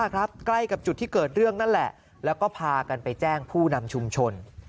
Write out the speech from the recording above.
เรื่องนั่นแหละแล้วก็พากันไปแจ้งผู้นำชุมชน